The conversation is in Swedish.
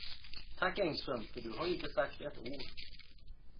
Tack, Engström, för du har inte sagt ett ord.